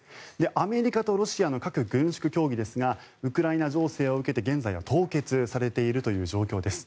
アメリカとロシアの核軍縮協議ですがウクライナ情勢を受けて現在は凍結されているという状況です。